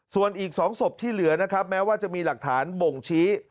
ส่วนอีก๒ศพที่เหลือนะครับแม้ว่าจะมีหลักฐานบ่งชี้